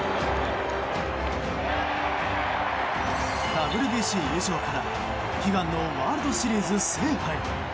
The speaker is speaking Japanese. ＷＢＣ優勝から悲願のワールドシリーズ制覇へ。